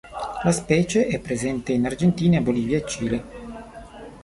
La specie è presente in Argentina, Bolivia e Cile.